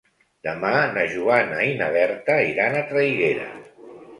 Demà na Joana i na Berta iran a Traiguera.